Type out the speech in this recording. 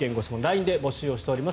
ＬＩＮＥで募集しています。